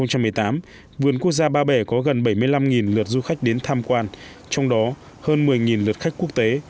năm hai nghìn một mươi tám vườn quốc gia ba bể có gần bảy mươi năm lượt du khách đến tham quan trong đó hơn một mươi lượt khách quốc tế